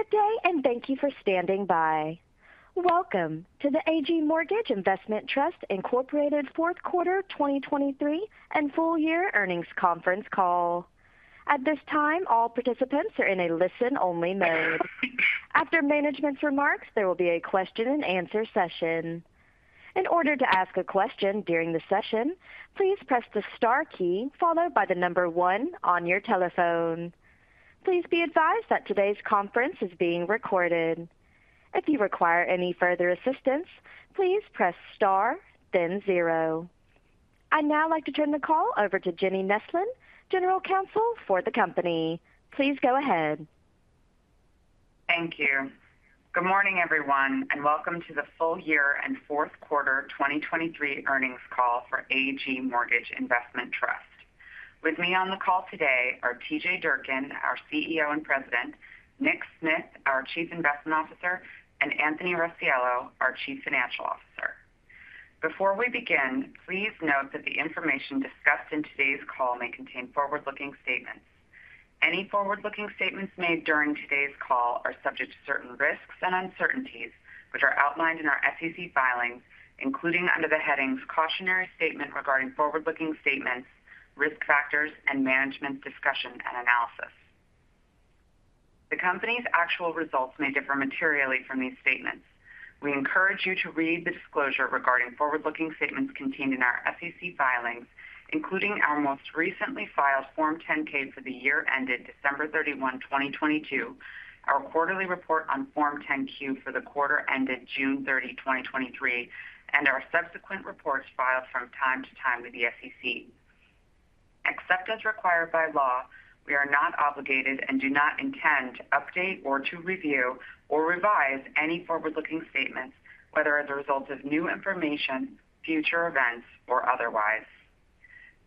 Good day, and thank you for standing by. Welcome to the AG Mortgage Investment Trust Incorporated Fourth Quarter 2023 and Full Year Earnings Conference Call. At this time, all participants are in a listen-only mode. After management's remarks, there will be a question and answer session. In order to ask a question during the session, please press the star key followed by the number 1 on your telephone. Please be advised that today's conference is being recorded. If you require any further assistance, please press Star, then 0. I'd now like to turn the call over to Jenny Neslin, General Counsel for the company. Please go ahead. Thank you. Good morning, everyone, and welcome to the full year and fourth quarter 2023 earnings call for AG Mortgage Investment Trust. With me on the call today are T.J. Durkin, our CEO and President, Nick Smith, our Chief Investment Officer, and Anthony Rossiello, our Chief Financial Officer. Before we begin, please note that the information discussed in today's call may contain forward-looking statements. Any forward-looking statements made during today's call are subject to certain risks and uncertainties, which are outlined in our SEC filings, including under the headings "Cautionary Statement Regarding Forward-Looking Statements, Risk Factors, and Management Discussion and Analysis." The company's actual results may differ materially from these statements. We encourage you to read the disclosure regarding forward-looking statements contained in our SEC filings, including our most recently filed Form 10-K for the year ended December 31, 2022, our quarterly report on Form 10-Q for the quarter ended June 30, 2023, and our subsequent reports filed from time to time with the SEC. Except as required by law, we are not obligated and do not intend to update or to review or revise any forward-looking statements, whether as a result of new information, future events, or otherwise.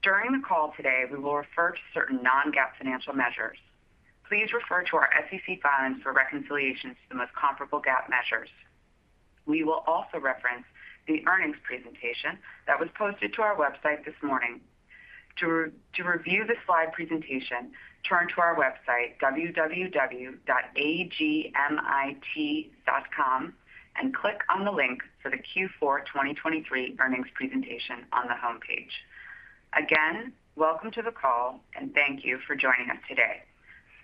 During the call today, we will refer to certain non-GAAP financial measures. Please refer to our SEC filings for reconciliations to the most comparable GAAP measures. We will also reference the earnings presentation that was posted to our website this morning. To review the slide presentation, turn to our website, www.agmit.com, and click on the link for the Q4 2023 earnings presentation on the homepage. Again, welcome to the call, and thank you for joining us today.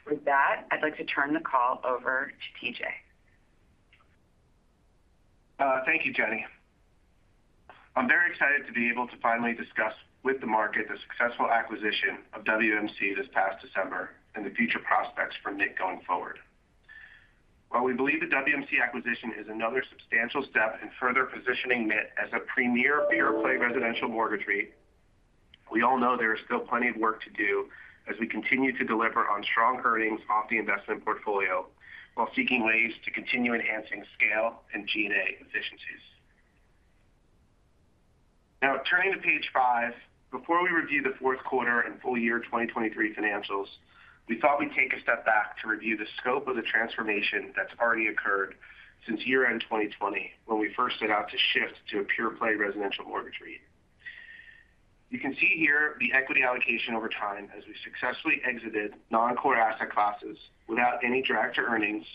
With that, I'd like to turn the call over to T.J. Thank you, Jenny. I'm very excited to be able to finally discuss with the market the successful acquisition of WMC this past December and the future prospects for MIT going forward. While we believe the WMC acquisition is another substantial step in further positioning MIT as a premier pure-play residential mortgage REIT, we all know there is still plenty of work to do as we continue to deliver on strong earnings off the investment portfolio while seeking ways to continue enhancing scale and G&A efficiencies. Now, turning to page 5, before we review the fourth quarter and full year 2023 financials, we thought we'd take a step back to review the scope of the transformation that's already occurred since year-end 2020, when we first set out to shift to a pure-play residential mortgage REIT. You can see here the equity allocation over time as we successfully exited non-core asset classes without any drag to earnings,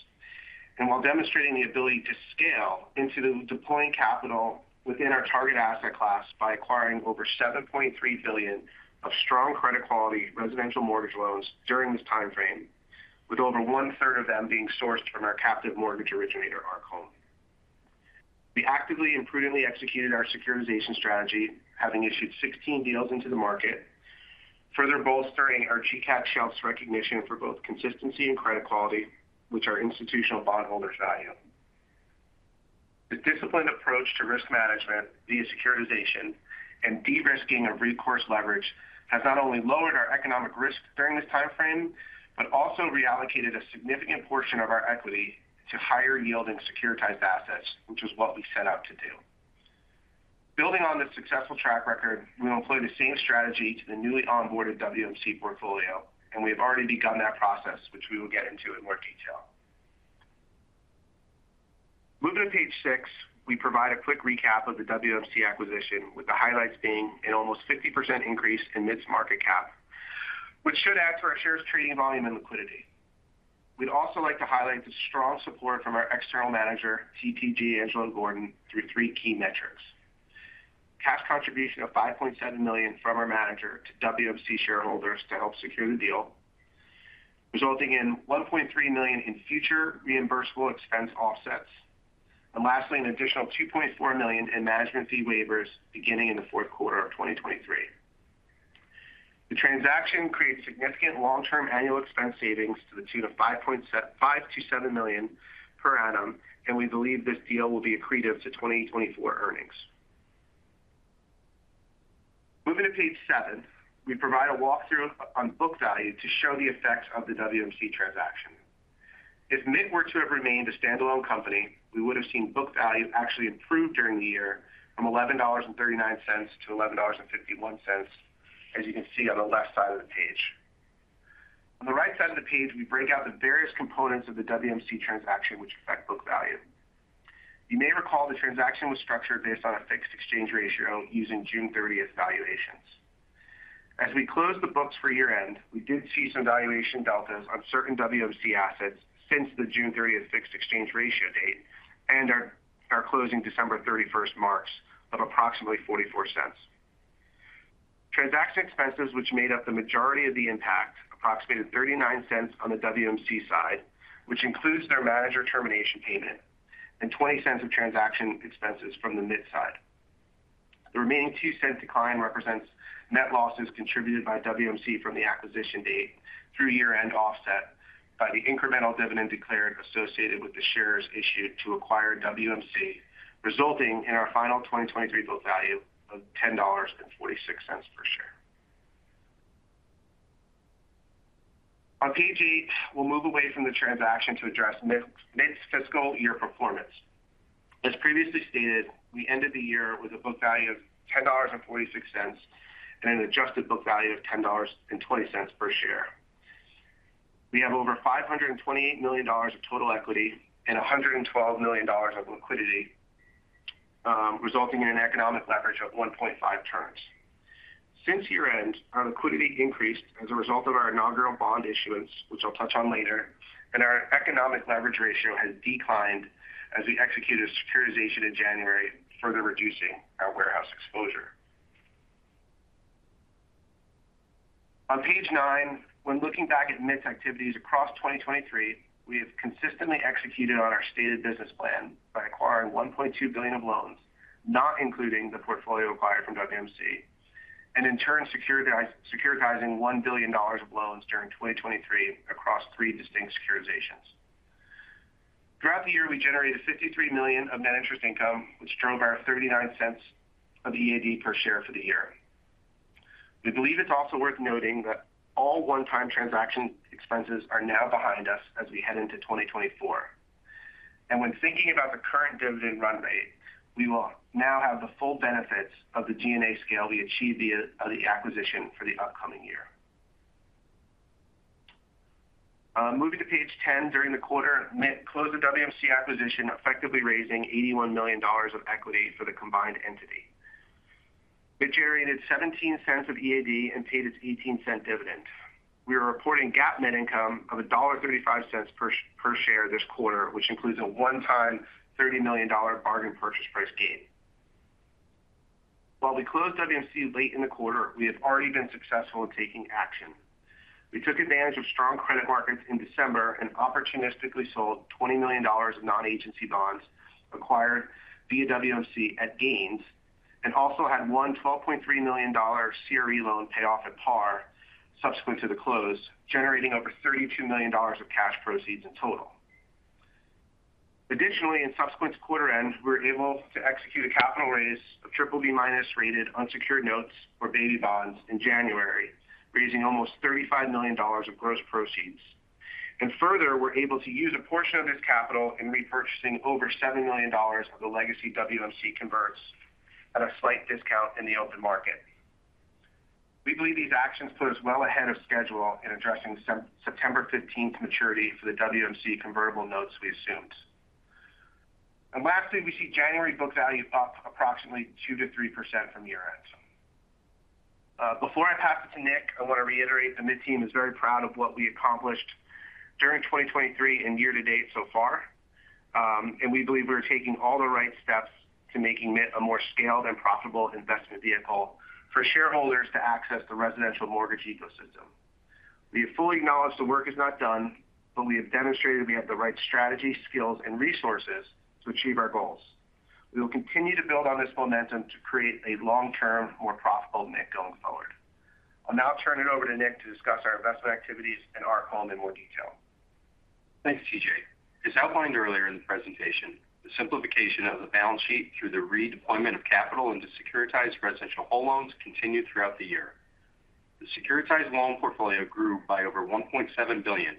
and while demonstrating the ability to scale into deploying capital within our target asset class by acquiring over $7.3 billion of strong credit quality residential mortgage loans during this timeframe, with over one-third of them being sourced from our captive mortgage originator, Arc Home. We actively and prudently executed our securitization strategy, having issued 16 deals into the market, further bolstering our GCAT shelf's recognition for both consistency and credit quality, which our institutional bondholders value. The disciplined approach to risk management via securitization and de-risking of recourse leverage has not only lowered our economic risk during this timeframe, but also reallocated a significant portion of our equity to higher yielding securitized assets, which is what we set out to do. Building on this successful track record, we will employ the same strategy to the newly onboarded WMC portfolio, and we have already begun that process, which we will get into in more detail. Moving to page 6, we provide a quick recap of the WMC acquisition, with the highlights being an almost 50% increase in MIT's market cap, which should add to our shares, trading volume, and liquidity. We'd also like to highlight the strong support from our external manager, TPG Angelo Gordon, through three key metrics. Cash contribution of $5.7 million from our manager to WMC shareholders to help secure the deal, resulting in $1.3 million in future reimbursable expense offsets. And lastly, an additional $2.4 million in management fee waivers beginning in the fourth quarter of 2023. The transaction creates significant long-term annual expense savings to the tune of $5 million-$7 million per annum, and we believe this deal will be accretive to 2024 earnings. Moving to page 7, we provide a walkthrough on book value to show the effects of the WMC transaction. If MIT were to have remained a standalone company, we would have seen book value actually improve during the year from $11.39 to $11.51, as you can see on the left side of the page. On the right side of the page, we break out the various components of the WMC transaction, which affect-... You may recall the transaction was structured based on a fixed exchange ratio using June 30th valuations. As we closed the books for year-end, we did see some valuation deltas on certain WMC assets since the June 30th fixed exchange ratio date and our closing December 31st marks of approximately $0.44. Transaction expenses, which made up the majority of the impact, approximated $0.39 on the WMC side, which includes their manager termination payment, and $0.20 of transaction expenses from the MIT side. The remaining $0.02 decline represents net losses contributed by WMC from the acquisition date through year-end, offset by the incremental dividend declared associated with the shares issued to acquire WMC, resulting in our final 2023 book value of $10.46 per share. On page 8, we'll move away from the transaction to address MIT's fiscal year performance. As previously stated, we ended the year with a book value of $10.46, and an adjusted book value of $10.20 per share. We have over $528 million of total equity and $112 million of liquidity, resulting in an economic leverage of 1.5 turns. Since year-end, our liquidity increased as a result of our inaugural bond issuance, which I'll touch on later, and our economic leverage ratio has declined as we executed securitization in January, further reducing our warehouse exposure. On page nine, when looking back at MIT's activities across 2023, we have consistently executed on our stated business plan by acquiring $1.2 billion of loans, not including the portfolio acquired from WMC. In turn, securitizing $1 billion of loans during 2023 across three distinct securitizations. Throughout the year, we generated $53 million of net interest income, which drove our $0.39 of EAD per share for the year. We believe it's also worth noting that all one-time transaction expenses are now behind us as we head into 2024. When thinking about the current dividend run rate, we will now have the full benefits of the G&A scale we achieved via the acquisition for the upcoming year. Moving to page 10, during the quarter, MIT closed the WMC acquisition, effectively raising $81 million of equity for the combined entity. It generated $0.17 of EAD and paid its $0.18 dividend. We are reporting GAAP net income of $1.35 per share this quarter, which includes a one-time $30 million bargain purchase price gain. While we closed WMC late in the quarter, we have already been successful in taking action. We took advantage of strong credit markets in December and opportunistically sold $20 million of non-agency bonds acquired via WMC at gains, and also had one $12.3 million CRE loan paid off at par subsequent to the close, generating over $32 million of cash proceeds in total. Additionally, in subsequent quarter ends, we were able to execute a capital raise of BBB- rated unsecured notes or baby bonds in January, raising almost $35 million of gross proceeds. And further, we're able to use a portion of this capital in repurchasing over $7 million of the legacy WMC converts at a slight discount in the open market. We believe these actions put us well ahead of schedule in addressing September fifteenth maturity for the WMC convertible notes we assumed. Lastly, we see January book value up approximately 2%-3% from year-end. Before I pass it to Nick, I want to reiterate, the MIT team is very proud of what we accomplished during 2023 and year to date so far. And we believe we're taking all the right steps to making MIT a more scaled and profitable investment vehicle for shareholders to access the residential mortgage ecosystem. We fully acknowledge the work is not done, but we have demonstrated we have the right strategy, skills, and resources to achieve our goals. We will continue to build on this momentum to create a long-term, more profitable MIT going forward. I'll now turn it over to Nick to discuss our investment activities and Arc Home in more detail. Thanks, T.J. As outlined earlier in the presentation, the simplification of the balance sheet through the redeployment of capital into securitized residential whole loans continued throughout the year. The securitized loan portfolio grew by over $1.7 billion,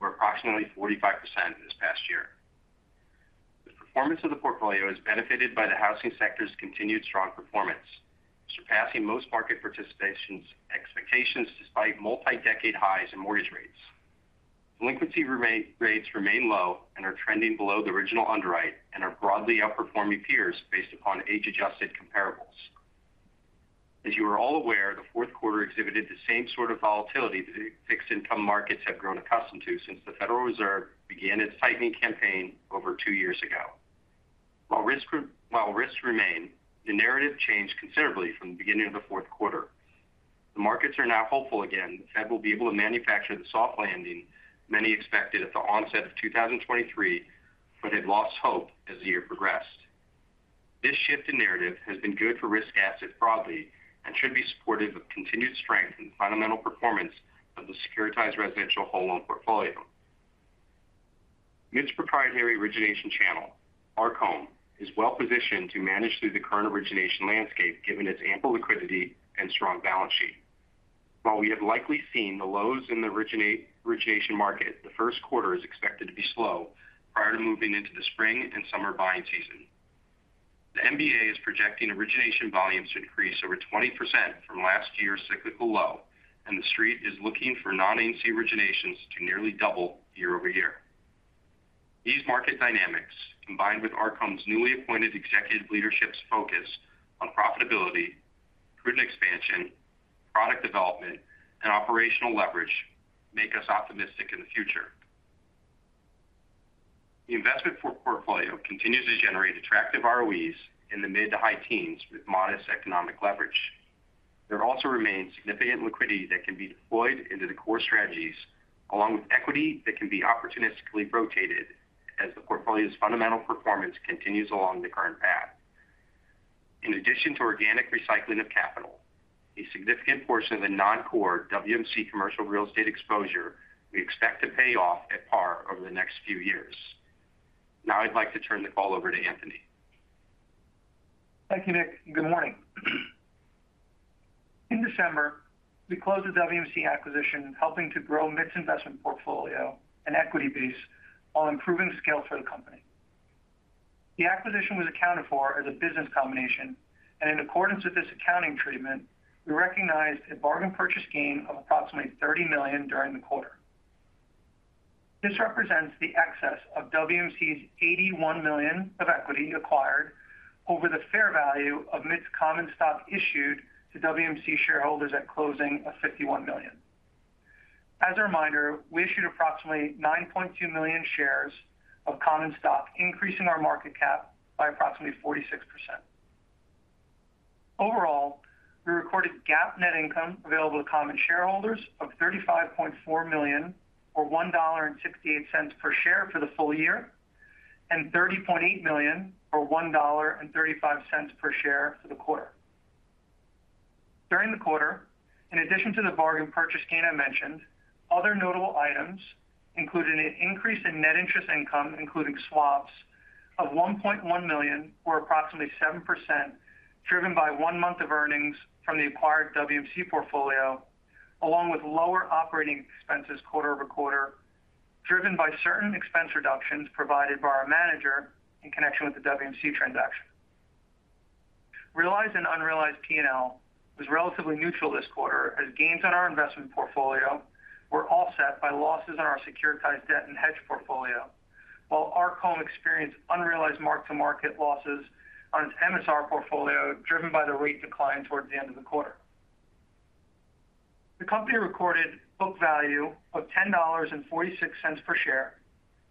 or approximately 45% this past year. The performance of the portfolio has benefited by the housing sector's continued strong performance, surpassing most market participants' expectations, despite multi-decade highs in mortgage rates. Delinquency rates remain low and are trending below the original underwrite, and are broadly outperforming peers based upon age-adjusted comparables. As you are all aware, the fourth quarter exhibited the same sort of volatility the fixed income markets have grown accustomed to since the Federal Reserve began its tightening campaign over 2 years ago. While risks remain, the narrative changed considerably from the beginning of the fourth quarter. The markets are now hopeful again the Fed will be able to manufacture the soft landing many expected at the onset of 2023, but had lost hope as the year progressed. This shift in narrative has been good for risk assets broadly and should be supportive of continued strength and fundamental performance of the securitized residential whole loan portfolio. MIT's proprietary origination channel, Arc Home, is well-positioned to manage through the current origination landscape, given its ample liquidity and strong balance sheet. While we have likely seen the lows in the origination market, the first quarter is expected to be slow prior to moving into the spring and summer buying season.... The MBA is projecting origination volumes to increase over 20% from last year's cyclical low, and the street is looking for non-agency originations to nearly double year-over-year. These market dynamics, combined with Arc Home's newly appointed executive leadership's focus on profitability, prudent expansion, product development, and operational leverage, make us optimistic in the future. The investment portfolio continues to generate attractive ROEs in the mid to high teens with modest economic leverage. There also remains significant liquidity that can be deployed into the core strategies, along with equity that can be opportunistically rotated as the portfolio's fundamental performance continues along the current path. In addition to organic recycling of capital, a significant portion of the non-core WMC commercial real estate exposure we expect to pay off at par over the next few years. Now I'd like to turn the call over to Anthony. Thank you, Nick. Good morning. In December, we closed the WMC acquisition, helping to grow MIT's investment portfolio and equity base, while improving scale for the company. The acquisition was accounted for as a business combination, and in accordance with this accounting treatment, we recognized a bargain purchase gain of approximately $30 million during the quarter. This represents the excess of WMC's $81 million of equity acquired over the fair value of MIT's common stock issued to WMC shareholders at closing of $51 million. As a reminder, we issued approximately 9.2 million shares of common stock, increasing our market cap by approximately 46%. Overall, we recorded GAAP net income available to common shareholders of $35.4 million, or $1.68 per share for the full year, and $30.8 million, or $1.35 per share for the quarter. During the quarter, in addition to the bargain purchase gain I mentioned, other notable items included an increase in net interest income, including swaps, of $1.1 million, or approximately 7%, driven by one month of earnings from the acquired WMC portfolio, along with lower operating expenses quarter-over-quarter, driven by certain expense reductions provided by our manager in connection with the WMC transaction. Realized and unrealized P&L was relatively neutral this quarter, as gains on our investment portfolio were offset by losses on our securitized debt and hedge portfolio, while Arc Home experienced unrealized mark-to-market losses on its MSR portfolio, driven by the rate decline towards the end of the quarter. The company recorded book value of $10.46 per share,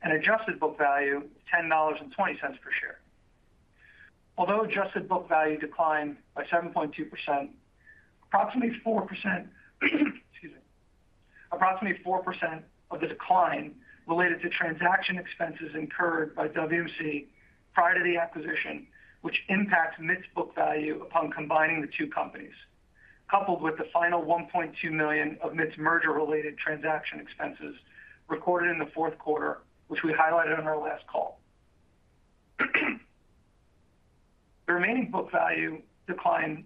and adjusted book value, $10.20 per share. Although adjusted book value declined by 7.2%, approximately 4%, excuse me. Approximately 4% of the decline related to transaction expenses incurred by WMC prior to the acquisition, which impacts MIT's book value upon combining the two companies, coupled with the final $1.2 million of MIT's merger-related transaction expenses recorded in the fourth quarter, which we highlighted on our last call. The remaining book value decline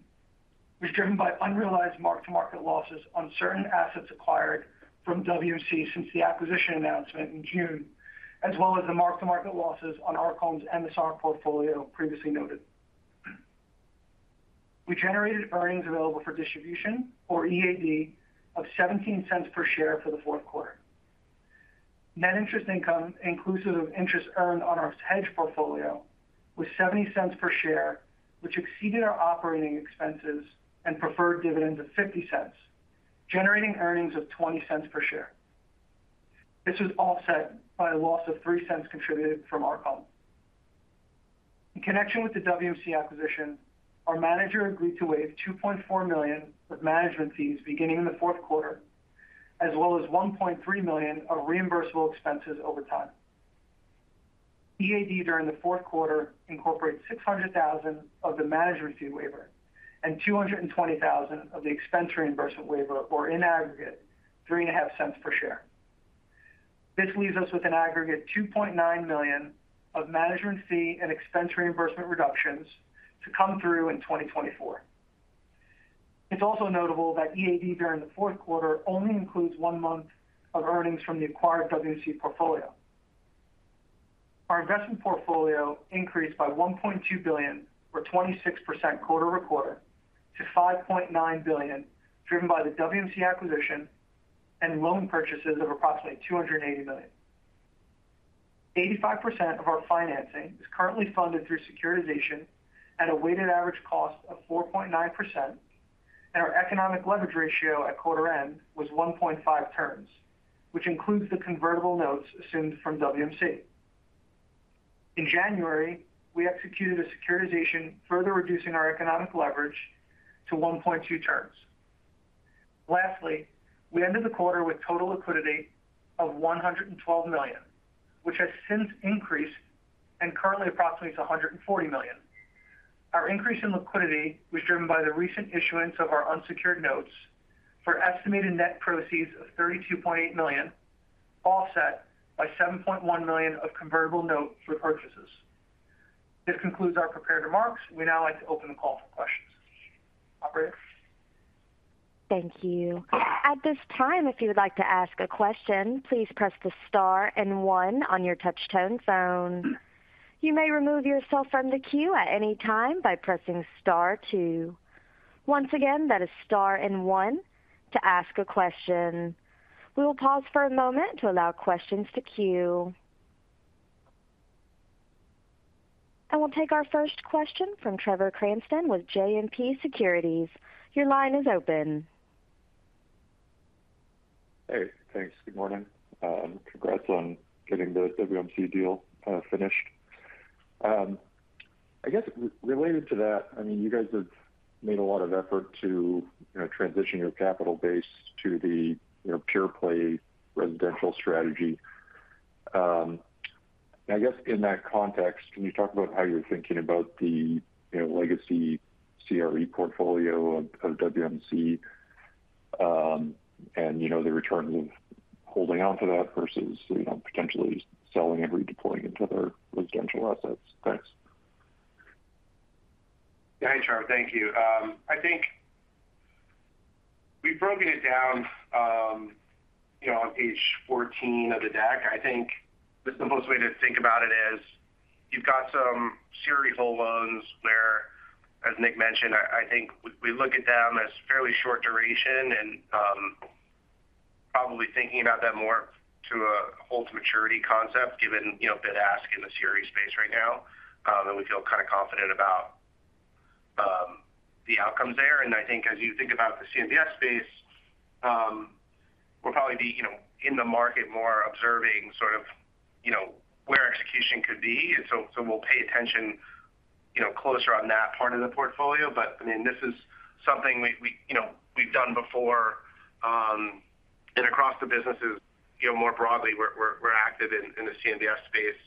was driven by unrealized mark-to-market losses on certain assets acquired from WMC since the acquisition announcement in June, as well as the mark-to-market losses on Arc Home's MSR portfolio previously noted. We generated earnings available for distribution, or EAD, of $0.17 per share for the fourth quarter. Net interest income, inclusive of interest earned on our hedge portfolio, was $0.70 per share, which exceeded our operating expenses and preferred dividends of $0.50, generating earnings of $0.20 per share. This was offset by a loss of $0.03 contributed from Arc Home. In connection with the WMC acquisition, our manager agreed to waive $2.4 million with management fees beginning in the fourth quarter, as well as $1.3 million of reimbursable expenses over time. EAD during the fourth quarter incorporates $600,000 of the management fee waiver and $220,000 of the expense reimbursement waiver, or in aggregate, $0.035 per share. This leaves us with an aggregate $2.9 million of management fee and expense reimbursement reductions to come through in 2024. It's also notable that EAD during the fourth quarter only includes one month of earnings from the acquired WMC portfolio. Our investment portfolio increased by $1.2 billion, or 26% quarter-over-quarter, to $5.9 billion, driven by the WMC acquisition and loan purchases of approximately $280 million. 85% of our financing is currently funded through securitization at a weighted average cost of 4.9%, and our economic leverage ratio at quarter end was 1.5 turns, which includes the convertible notes assumed from WMC. In January, we executed a securitization, further reducing our economic leverage to 1.2 turns. Lastly, we ended the quarter with total liquidity of $112 million, which has since increased and currently approximates $140 million. Our increase in liquidity was driven by the recent issuance of our unsecured notes for estimated net proceeds of $32.8 million, offset by $7.1 million of convertible notes repurchases. This concludes our prepared remarks. We'd now like to open the call for questions. Operator? ... Thank you. At this time, if you would like to ask a question, please press the star and one on your touchtone phone. You may remove yourself from the queue at any time by pressing star two. Once again, that is star and one to ask a question. We will pause for a moment to allow questions to queue. We'll take our first question from Trevor Cranston with JMP Securities. Your line is open. Hey, thanks. Good morning, congrats on getting the WMC deal finished. I guess related to that, I mean, you guys have made a lot of effort to, you know, transition your capital base to the, you know, pure play residential strategy. I guess in that context, can you talk about how you're thinking about the, you know, legacy CRE portfolio of WMC, and, you know, the returns of holding on to that versus, you know, potentially selling and redeploying into other residential assets? Thanks. Yeah, sure. Thank you. I think we've broken it down, you know, on page 14 of the deck. I think the simplest way to think about it is you've got some CRE loans where, as Nick mentioned, I think we look at them as fairly short duration and probably thinking about that more to a hold to maturity concept, given, you know, bid-ask in the CRE space right now. And we feel kind of confident about the outcomes there. And I think as you think about the CMBS space, we'll probably be, you know, in the market more observing sort of, you know, where execution could be. And so we'll pay attention, you know, closer on that part of the portfolio. But, I mean, this is something we, you know, we've done before, and across the businesses, you know, more broadly, we're active in the CMBS space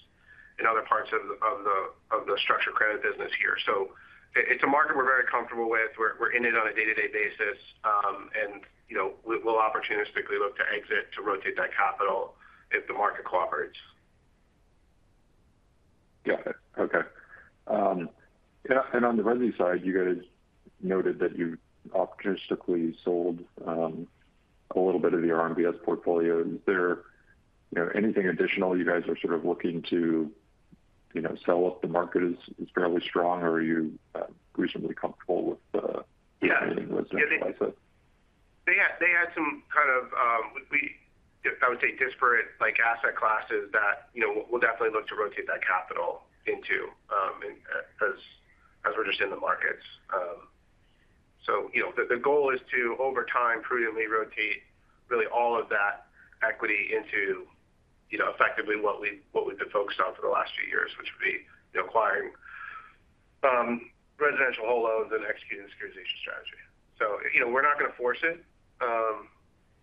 in other parts of the structured credit business here. So it's a market we're very comfortable with. We're in it on a day-to-day basis, and, you know, we'll opportunistically look to exit to rotate that capital if the market cooperates. Got it. Okay. And on the resi side, you guys noted that you opportunistically sold a little bit of the RMBS portfolio. Is there, you know, anything additional you guys are sort of looking to, you know, sell if the market is fairly strong, or are you reasonably comfortable with the- Yeah. Residential asset? They had some kind of, I would say, disparate like asset classes that, you know, we'll definitely look to rotate that capital into, as we're just in the markets. So, you know, the goal is to, over time, prudently rotate really all of that equity into, you know, effectively what we've been focused on for the last few years, which would be acquiring residential whole loans and executing the securitization strategy. So, you know, we're not going to force it,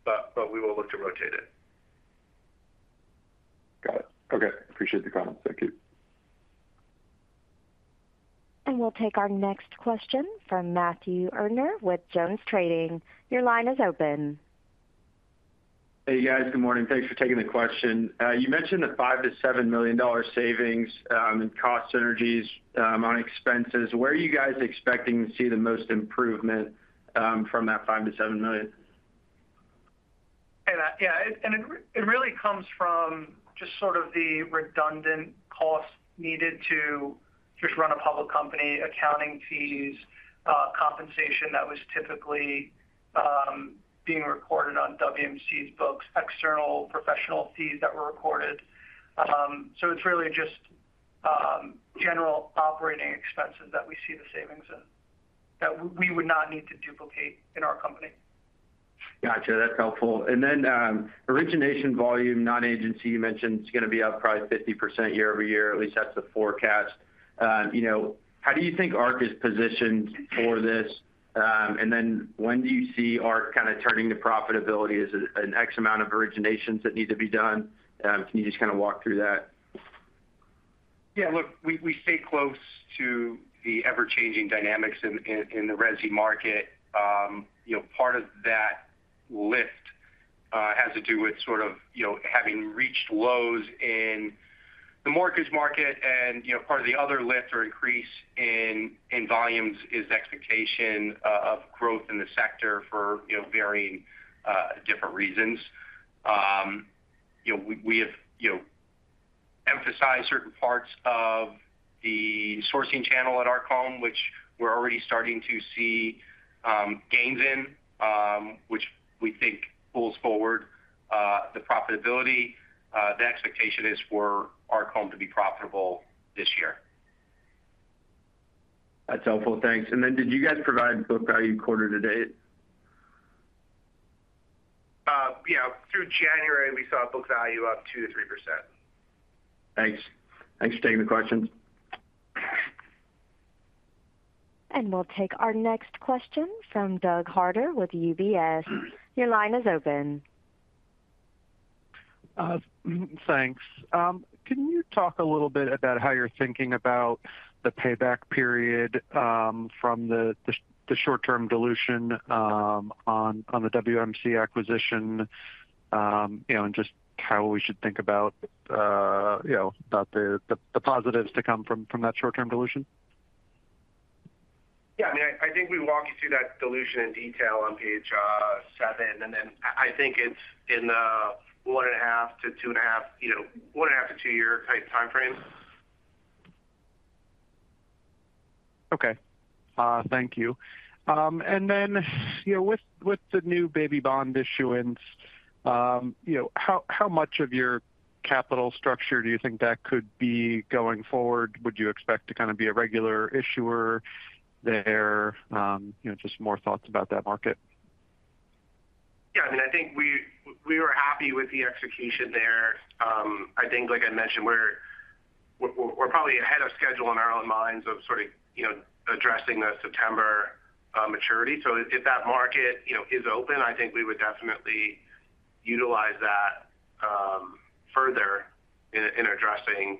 but we will look to rotate it. Got it. Okay. Appreciate the comment. Thank you. We'll take our next question from Matthew Erdner with JonesTrading. Your line is open. Hey, guys. Good morning. Thanks for taking the question. You mentioned the $5-$7 million savings in cost synergies on expenses. Where are you guys expecting to see the most improvement from that $5-$7 million? Hey, Matt. Yeah, and it, it really comes from just sort of the redundant costs needed to just run a public company, accounting fees, compensation that was typically being reported on WMC's books, external professional fees that were reported. So it's really just general operating expenses that we see the savings in, that we would not need to duplicate in our company. Gotcha, that's helpful. And then, origination volume, non-agency, you mentioned it's going to be up probably 50% year-over-year. At least that's the forecast. You know, how do you think Arc is positioned for this? And then when do you see Arc kind of turning to profitability? Is it an X amount of originations that need to be done? Can you just kind of walk through that? Yeah, look, we stay close to the ever-changing dynamics in the resi market. You know, part of that lift has to do with sort of, you know, having reached lows in the mortgage market. And, you know, part of the other lift or increase in volumes is expectation of growth in the sector for, you know, varying different reasons. You know, we have emphasized certain parts of the sourcing channel at Arc Home, which we're already starting to see gains in, which we think pulls forward the profitability. The expectation is for Arc Home to be profitable this year. That's helpful. Thanks. And then did you guys provide book value quarter to date? Yeah, through January, we saw book value up 2%-3%. Thanks. Thanks for taking the questions. We'll take our next question from Doug Harter with UBS. Your line is open. Thanks. Can you talk a little bit about how you're thinking about the payback period from the short-term dilution on the WMC acquisition? You know, and just how we should think about, you know, about the positives to come from that short-term dilution?... Yeah, I mean, I think we walked you through that dilution in detail on page seven, and then I think it's in the 1.5-2.5, you know, 1.5-2-year type timeframe. Okay. Thank you. And then, you know, with the new baby bond issuance, you know, how much of your capital structure do you think that could be going forward? Would you expect to kind of be a regular issuer there? You know, just more thoughts about that market. Yeah, I mean, I think we were happy with the execution there. I think, like I mentioned, we're probably ahead of schedule in our own minds of sort of, you know, addressing the September maturity. So if that market, you know, is open, I think we would definitely utilize that further in addressing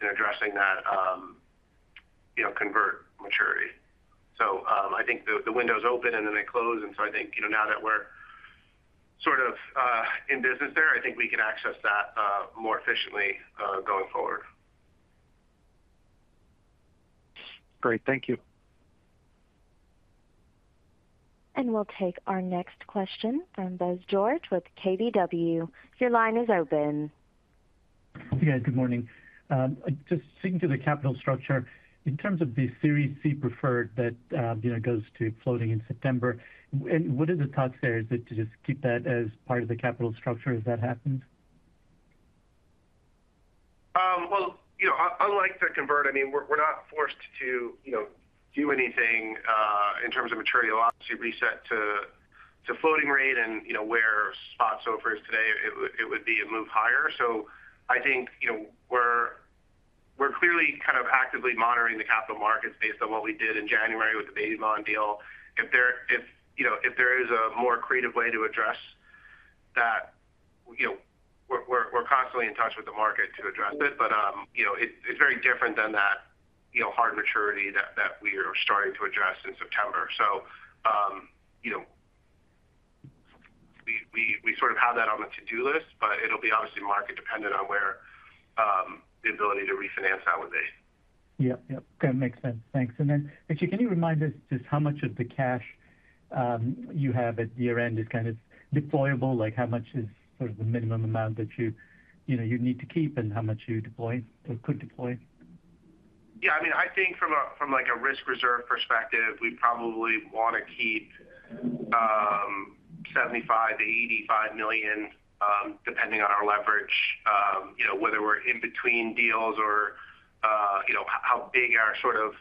that, you know, convert maturity. So I think the window's open and then they close, and so I think, you know, now that we're sort of in business there, I think we can access that more efficiently going forward. Great. Thank you. We'll take our next question from Bose George with KBW. Your line is open. Hey, guys. Good morning. Just sticking to the capital structure, in terms of the Series C preferred that, you know, goes to floating in September, and what are the thoughts there? Is it to just keep that as part of the capital structure as that happens? Well, you know, unlike the convert, I mean, we're, we're not forced to, you know, do anything in terms of maturity. It'll obviously reset to floating rate and, you know, where spot SOFR is today, it would be a move higher. So I think, you know, we're, we're clearly kind of actively monitoring the capital markets based on what we did in January with the baby bond deal. If there, you know, if there is a more creative way to address that, you know, we're, we're constantly in touch with the market to address it. But, you know, it's very different than that, you know, hard maturity that we are starting to address in September. You know, we sort of have that on the to-do list, but it'll be obviously market dependent on where the ability to refinance that would be. Yep. Yep. Okay. Makes sense. Thanks. And then actually, can you remind us just how much of the cash you have at year-end is kind of deployable? Like, how much is sort of the minimum amount that you, you know, you need to keep and how much you deploy or could deploy? Yeah, I mean, I think from, like, a risk reserve perspective, we probably want to keep $75 million-$85 million, depending on our leverage, you know, whether we're in between deals or, you know, how big our sort of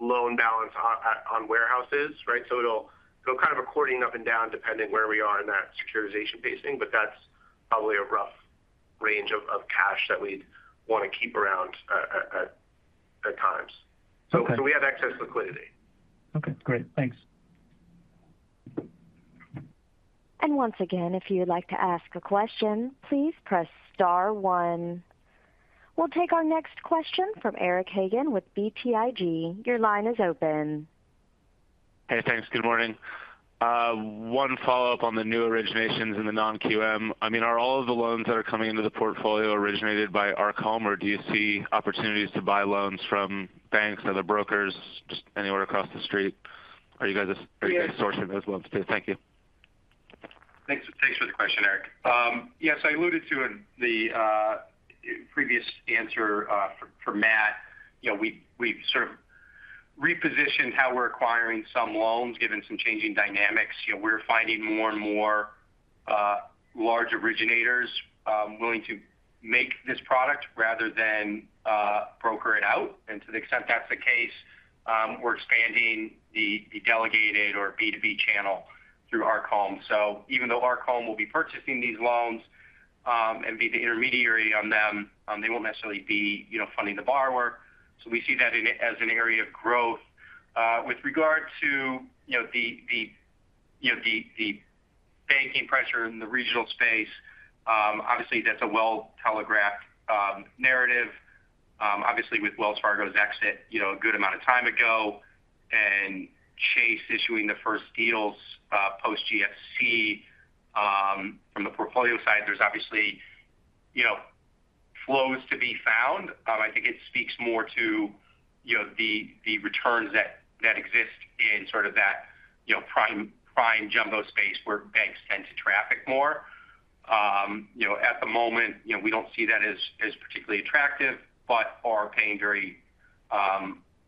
loan balance on, at, on warehouse is, right? So it'll go kind of according up and down, depending where we are in that securitization pacing, but that's probably a rough range of cash that we'd want to keep around, at, at, at times. Okay. We have excess liquidity. Okay, great. Thanks. Once again, if you'd like to ask a question, please press star one. We'll take our next question from Eric Hagen with BTIG. Your line is open. Hey, thanks. Good morning. One follow-up on the new originations in the non-QM. I mean, are all of the loans that are coming into the portfolio originated by Arc Home, or do you see opportunities to buy loans from banks and other brokers just anywhere across the street? Are you guys sourcing those loans too? Thank you. Thanks, thanks for the question, Eric. Yes, I alluded to it in the previous answer for Matt. You know, we've sort of repositioned how we're acquiring some loans given some changing dynamics. You know, we're finding more and more large originators willing to make this product rather than broker it out. And to the extent that's the case, we're expanding the delegated or B2B channel through Arc Home. So even though Arc Home will be purchasing these loans and be the intermediary on them, they won't necessarily be, you know, funding the borrower. So we see that as an area of growth. With regard to, you know, the banking pressure in the regional space, obviously that's a well-telegraphed narrative. Obviously, with Wells Fargo's exit, you know, a good amount of time ago and Chase issuing the first deals, post GFC, from the portfolio side, there's obviously, you know, flows to be found. I think it speaks more to, you know, the, the returns that, that exist in sort of that, you know, prime, prime jumbo space where banks tend to traffic more. You know, at the moment, you know, we don't see that as, as particularly attractive, but are paying very,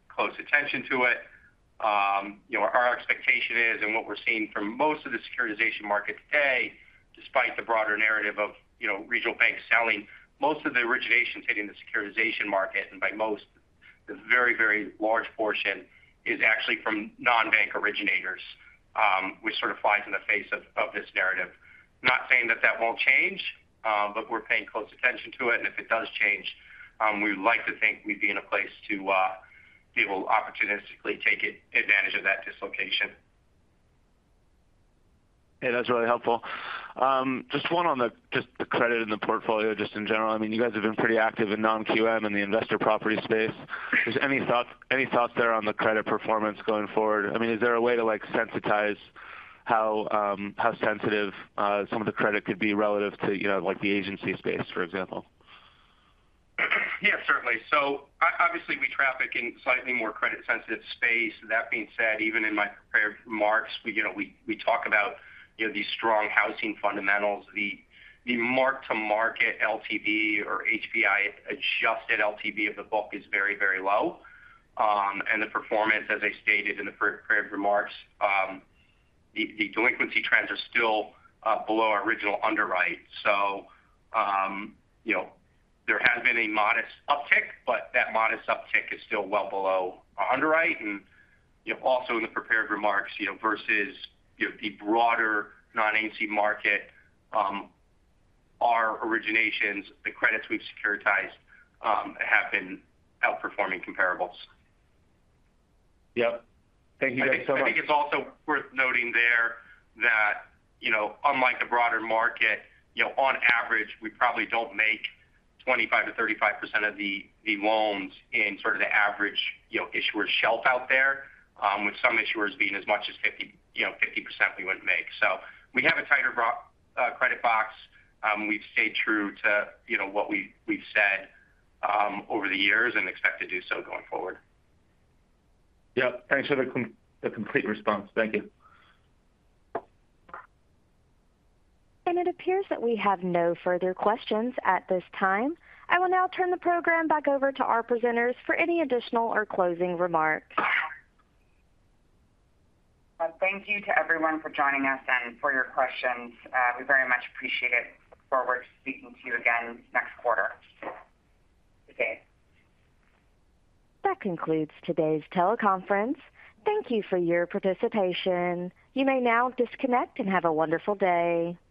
close attention to it. You know, our expectation is, and what we're seeing from most of the securitization market today, despite the broader narrative of, you know, regional banks selling, most of the originations hitting the securitization market, and by most, the very, very large portion is actually from non-bank originators, which sort of flies in the face of this narrative. Not saying that that won't change, but we're paying close attention to it, and if it does change, we would like to think we'd be in a place to be able to opportunistically take advantage of that dislocation. Yeah, that's really helpful. Just one on the, just the credit in the portfolio, just in general. I mean, you guys have been pretty active in non-QM and the investor property space. Is any thought, any thought there on the credit performance going forward? I mean, is there a way to, like, sensitize-... how sensitive some of the credit could be relative to, you know, like, the agency space, for example? Yeah, certainly. So obviously, we traffic in slightly more credit-sensitive space. That being said, even in my prepared remarks, we, you know, we talk about, you know, the strong housing fundamentals. The mark-to-market LTV or HPI-adjusted LTV of the book is very, very low. And the performance, as I stated in the prepared remarks, the delinquency trends are still below our original underwrite. So, you know, there has been a modest uptick, but that modest uptick is still well below our underwrite. And, you know, also in the prepared remarks, you know, versus, you know, the broader non-agency market, our originations, the credits we've securitized, have been outperforming comparables. Yep. Thank you guys so much. I think it's also worth noting there that, you know, unlike the broader market, you know, on average, we probably don't make 25%-35% of the loans in sort of the average, you know, issuer shelf out there, with some issuers being as much as 50, you know, 50% we wouldn't make. So we have a tighter credit box. We've stayed true to, you know, what we- we've said over the years and expect to do so going forward. Yep. Thanks for the complete response. Thank you. It appears that we have no further questions at this time. I will now turn the program back over to our presenters for any additional or closing remarks. Thank you to everyone for joining us and for your questions. We very much appreciate it. Look forward to speaking to you again next quarter. Okay. That concludes today's teleconference. Thank you for your participation. You may now disconnect and have a wonderful day.